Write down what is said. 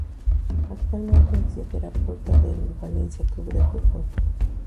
Actualmente es el fisioterapeuta del Valencia Club de Fútbol.